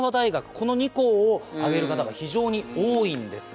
この２校を挙げる方が非常に多いんですね。